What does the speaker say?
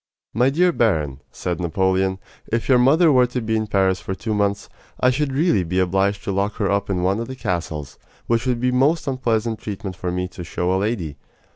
"My dear baron," said Napoleon, "if your mother were to be in Paris for two months, I should really be obliged to lock her up in one of the castles, which would be most unpleasant treatment for me to show a lady.